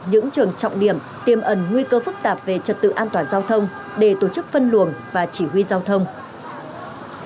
những trường trọng điểm tiêm ẩn nguy cơ phức tạp về trật tự an toàn giao thông để tổ chức phân luồng và chỉ huy giao thông